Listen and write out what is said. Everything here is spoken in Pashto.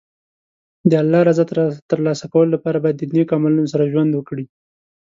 د الله رضا ترلاسه کولو لپاره باید د نېک عملونو سره ژوند وکړي.